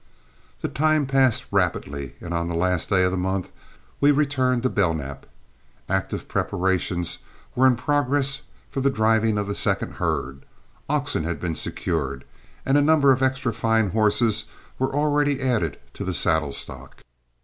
The time passed rapidly, and on the last day of the month we returned to Belknap. Active preparations were in progress for the driving of the second herd, oxen had been secured, and a number of extra fine horses were already added to the saddle stock.